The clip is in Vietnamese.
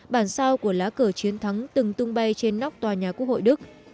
bản sao của lá cờ chiến thắng từng tung bay trên nóc tòa nhà quốc hội đức